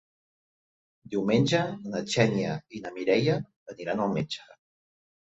Diumenge na Xènia i na Mireia aniran al metge.